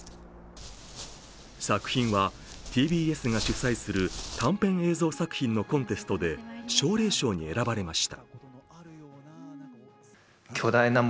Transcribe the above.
作品はＴＢＳが主催する短編映像作品のコンテストで奨励賞に選ばれました。